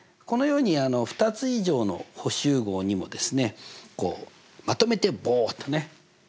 このように２つ以上の補集合にもですねまとめてボーとね！